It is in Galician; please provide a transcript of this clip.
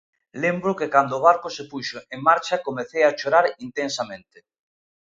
Lembro que cando o barco se puxo en marcha comecei a chorar intensamente.